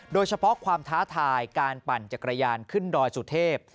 โดยเฉพาะความท้าทายการปั่นจักรยานขึ้นดอยสุเทพ